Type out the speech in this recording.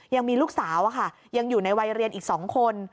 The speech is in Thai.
ยังมีลูกสาวยังอยู่ในวัยเรียนอีก๒คน